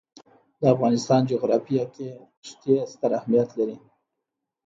د افغانستان جغرافیه کې ښتې ستر اهمیت لري.